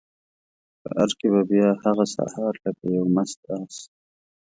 ښار کې به بیا هغه سهار لکه یو مست آس،